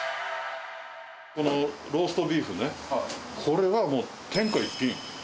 このローストビーフね、これはもう、天下一品。